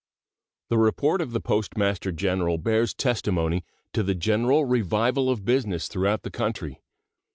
The report of the Postmaster General bears testimony to the general revival of business throughout the country.